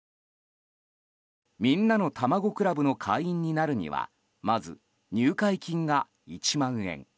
みんなのたまご倶楽部の会員になるにはまず、入会金が１万円。